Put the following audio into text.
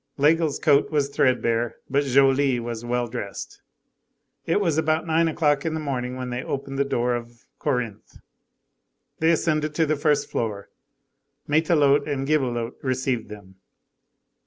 Laigle's coat was threadbare, but Joly was well dressed. It was about nine o'clock in the morning, when they opened the door of Corinthe. They ascended to the first floor. Matelote and Gibelotte received them.